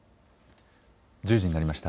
１０時になりました。